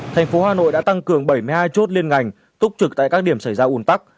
thành phố hà nội đã tăng cường bảy mươi hai chốt liên ngành túc trực tại các điểm xảy ra ủn tắc